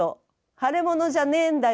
腫れ物じゃねえんだよ